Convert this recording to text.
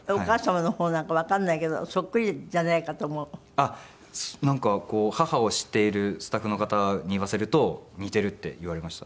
あっなんか母を知っているスタッフの方に言わせると似ているって言われました。